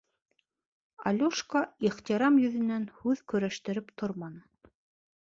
Алёшка ихтирам йөҙөнән һүҙ көрәштереп торманы.